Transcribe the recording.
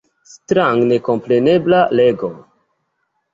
Strange nekomprenebla leĝo!